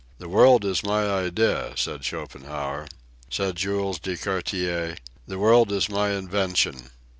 "The world is my idea," said Schopenhauer. Said Jules de Gaultier, "The world is my invention."